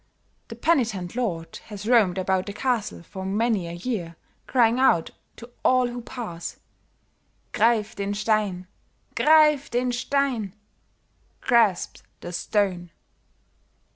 The penitent lord has roamed about the castle for many a year crying out to all who pass, 'Grief den Stein! Grief den Stein!' (Grasp the stone).